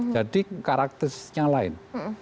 jadi karakteristiknya lain